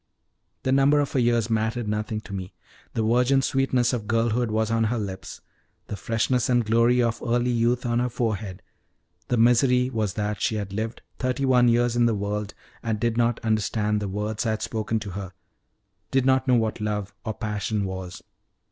The number of her years mattered nothing to me; the virgin sweetness of girlhood was on her lips, the freshness and glory of early youth on her forehead; the misery was that she had lived thirty one years in the world and did not understand the words I had spoken to her did not know what love, or passion, was!